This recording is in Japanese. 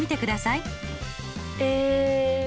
え。